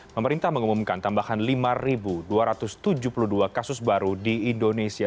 pemerintah mengumumkan tambahan lima dua ratus tujuh puluh dua kasus baru di indonesia